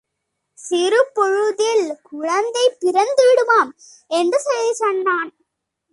சிறுபொழுதில் குழந்தை பிறந்து விடுமாம்!... என்று செய்தி சொன்னான்.